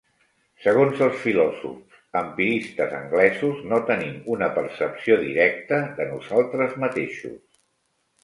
Segons els filòsofs empiristes anglesos, no tenim una percepció directa de nosaltres mateixos.